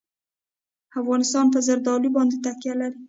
افغانستان په زردالو باندې تکیه لري.